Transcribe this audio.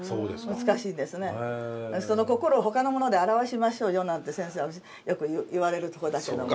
その心をほかのもので表しましょうよなんて先生はよく言われるとこだけども。